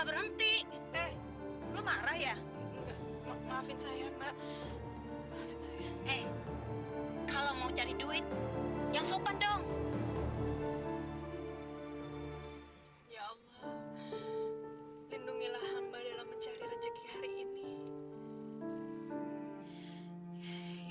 pantesan aja dicoyakin suami